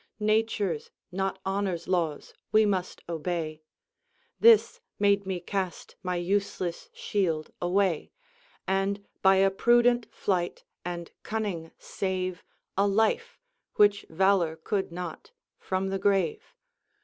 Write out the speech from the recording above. Nature's not Honor's laws we must obey ; This made me cast my useless shield away, And by a prudent flight and cunning save A life, which valor could not, from the grave.